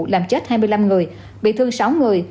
làm chết hai mươi năm người bị thương sáu người